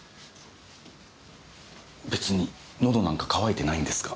別に喉なんか渇いてないんですが。